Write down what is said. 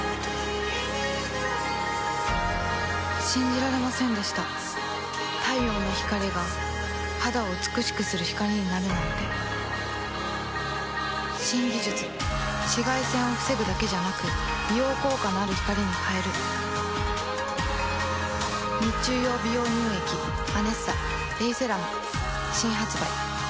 信じられませんでした太陽の光が肌を美しくする光になるなんて新技術紫外線を防ぐだけじゃなく美容効果のある光に変える日中用美容乳液「ＡＮＥＳＳＡ」新発売